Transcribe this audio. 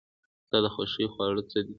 ستا د خوښې خواړه څه دي؟